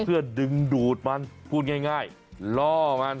เพื่อดึงดูดมันพูดง่ายล่อมัน